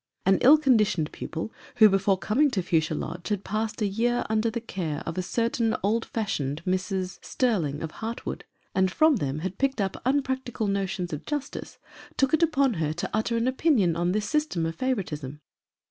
An ill conditioned pupil, who before coming to Fuchsia Lodge had passed a year under the care of certain old fashioned Misses 248 EMMA. Sterling, of Hartwood, and from them had picked up unprac tical notions of justice, took it upon her to utter an opinion on this system of favoritism.